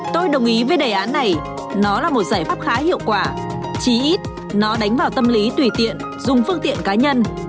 tôi đồng ý với đề án này nó là một giải pháp khá hiệu quả chỉ ít nó đánh vào tâm lý tùy tiện dùng phương tiện cá nhân